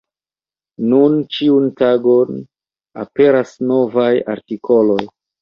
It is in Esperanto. Nun ĉiun tagon aperas novaj artikoloj.